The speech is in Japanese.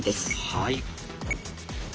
はい。